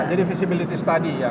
tidak jadi visibility study